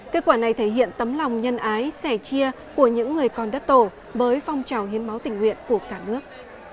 kết quả này thể hiện tấm lòng nhân ái sẻ chia của những người con đất tổ với phong trào hiến máu tình nguyện của cả nước